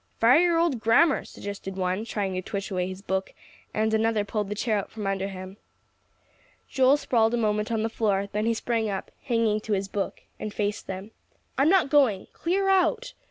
"Fire your old grammar," suggested one, trying to twitch away his book; and another pulled the chair out from under him. Joel sprawled a moment on the floor; then he sprang up, hanging to his book, and faced them. "I'm not going. Clear out."